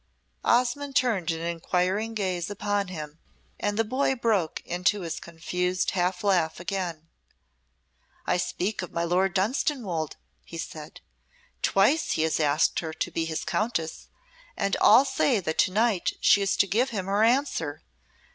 Osmonde turned an inquiring gaze upon him, and the boy broke into his confused half laugh again. "I speak of my Lord Dunstanwolde," he said. "Twice he has asked her to be his Countess, and all say that to night she is to give him her answer.